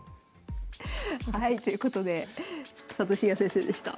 はいということで佐藤紳哉先生でした。